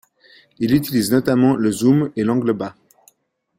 Il utilise notamment le zoom et l'angle bas.